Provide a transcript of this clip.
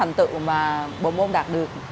hành tựu mà bộ môn đạt được